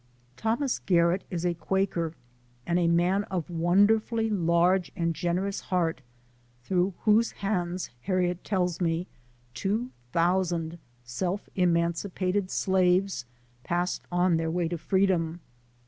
Thomas Garrett is a Qua ker, and a man of a wonderfully large and generous heart, through whose hands, Harriet tells me, two thousand self emancipated slaves passed on their way to freedom.